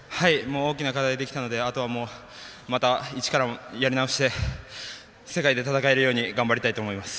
大きな課題ができたのでまた一からやり直して世界で戦えるように頑張りたいと思います。